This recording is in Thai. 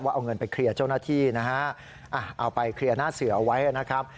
เอาเงินไปเคลียร์เจ้าหน้าที่นะฮะเอาไปเคลียร์หน้าเสือเอาไว้นะครับ